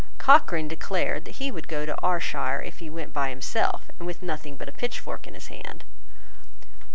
Cochrane declared that he would go to Ayrshire if he went by himself, and with nothing but a pitchfork in his hand.